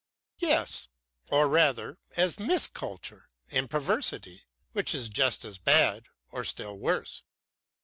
"Yes, or rather as mis culture and perversity, which is just as bad or still worse.